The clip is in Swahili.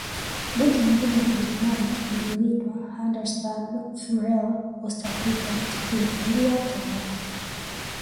Benki nyingine ya Kijerumani iliyoitwa Handelsbank fuer Ostafrika ilifungua tawi lake